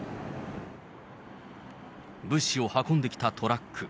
物資を運んできたトラック。